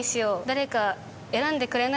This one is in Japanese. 誰か選んでくれないか？